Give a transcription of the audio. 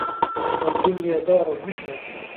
وَالدُّنْيَا دَارُ الْمِحْنَةِ